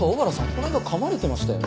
この間噛まれてましたよね？